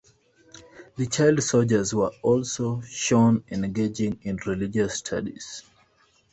The child soldiers were also shown engaging in religious studies.